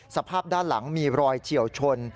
สภาพด้านหลังมีรอยเฉียวชน